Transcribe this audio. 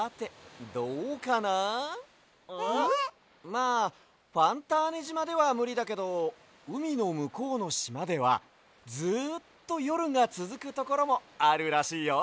まあファンターネじまではむりだけどうみのむこうのしまではずっとよるがつづくところもあるらしいよ！